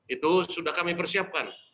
itu sudah kami persiapkan